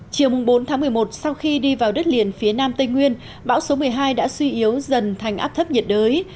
chiều bốn một mươi một sau khi đi vào đất liền phía nam tây nguyên bão số một mươi hai đã suy yếu dần thành áp thấp nhiệt đới